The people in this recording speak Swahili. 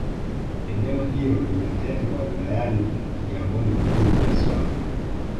eneo hilo limetengwa wilayani kigamboni jijini dar es salaam